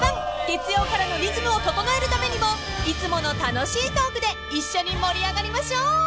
［月曜からのリズムを整えるためにもいつもの楽しいトークで一緒に盛り上がりましょう］